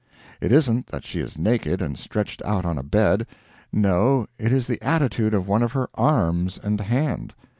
It isn't that she is naked and stretched out on a bed no, it is the attitude of one of her arms and hand.